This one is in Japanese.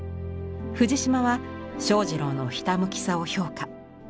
藤島は正二郎のひたむきさを評価。